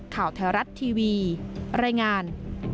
ข่าวไทยรัฐทีวีรายงาน